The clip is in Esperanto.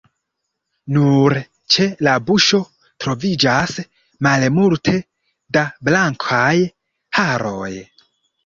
Nur ĉe la buŝo troviĝas malmulte da blankaj haroj.